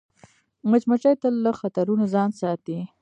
مچمچۍ تل له خطرونو ځان ساتي